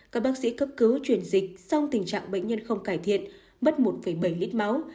các bác sĩ cấp cứu chuyển dịch song tình trạng bệnh nhân không cải thiện mất một bảy lít máu